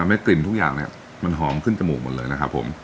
ให้กลิ่นทุกอย่างเนี่ยมันหอมขึ้นจมูกหมดเลยนะครับผม